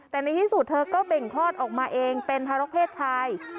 แต่ในที่สุดเธอก็เบ่งคลอดออกมาเองเป็นทารกเพศชาย